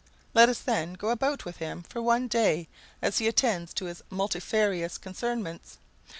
Let us then go about with him for one day as he attends to his multifarious concernments.